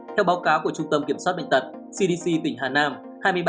theo báo cáo của trung tâm kiểm soát bệnh tật cdc tỉnh hà nam